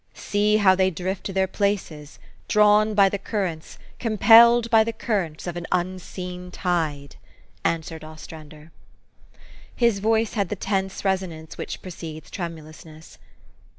44 See how they drift to their places, drawn by the currents, compelled by the currents, of an unseen tide !" answered Ostrander. His voice had the tense resonance which precedes tremulousness.